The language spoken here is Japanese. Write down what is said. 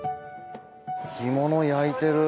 干物焼いてる。